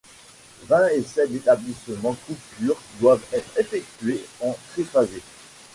Vingt essais d'établissement-coupure doivent être effectués en triphasé.